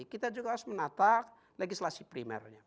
kita juga harus menata legislasi primernya